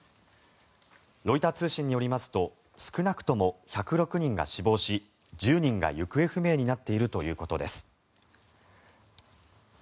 ロイター通信によりますと少なくとも１０６人が死亡し１０人が行方不明になっているということです。